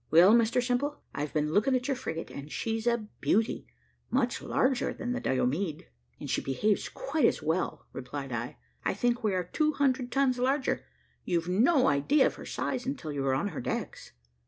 "Well, Mr Simple, I've been looking at your frigate, and she's a beauty much larger than the Diomede." "And she behaves quite as well," replied I. "I think we are two hundred tons larger. You've no idea of her size until you are on her decks."